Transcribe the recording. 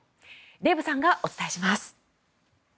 デーブさんがお伝えします。